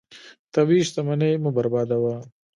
طبیعي شتمنۍ مه بربادوه.